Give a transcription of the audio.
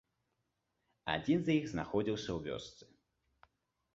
Адзін з іх знаходзіўся ў вёсцы.